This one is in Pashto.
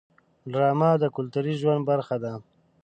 ډرامه د کلتوري ژوند برخه ده